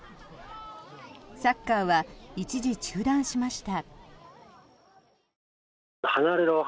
サッカーは、一時中断しました。